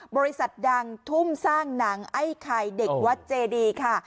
บริษัทดังทุ่มสร้างหนังไอ้ไข่เด็กวัดเจดีค่ะ